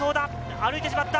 歩いてしまった！